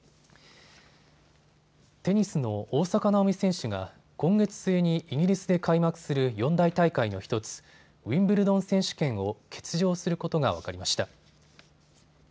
テニスの大坂なおみ選手が今月末にイギリスで開幕する四大大会の１つ、ウィンブルドン選手権を欠場することが分かりました。